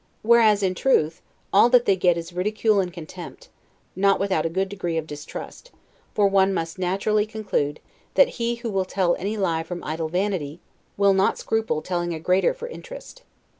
Whereas, in truth, all that they get is ridicule and contempt, not without a good degree of distrust; for one must naturally conclude, that he who will tell any lie from idle vanity, will not scruple telling a greater for interest.